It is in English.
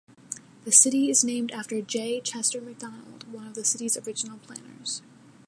The city is named after J. Chester McDonald, one of the city's original planners.